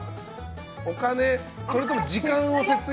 お金、それとも時間を節約？